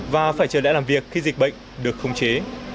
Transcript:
và phải chờ đợi làm việc khi dịch bệnh được khống chế